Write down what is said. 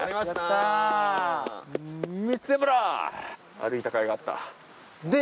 歩いた甲斐があった。